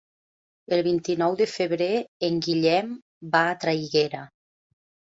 El vint-i-nou de febrer en Guillem va a Traiguera.